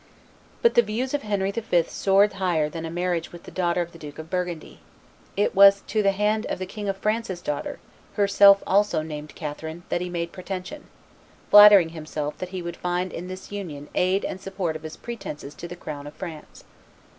But the views of Henry V. soared higher than a marriage with a daughter of the Duke of Burgundy. It was to the hand of the King of France's daughter, herself also named Catherine, that he made pretension, flattering himself that he would find in this union aid in support of his pretences to the crown of France.